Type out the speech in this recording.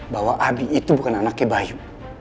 bahwa abi itu bukan anaknya bayu